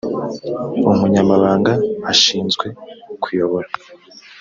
umunyamabanga ashinzwe kuyobora.